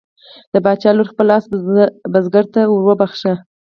د باچا لور خپل آس بزګر ته وروبخښه.